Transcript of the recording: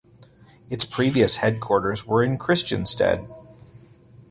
Its previous headquarters were in Christiansted.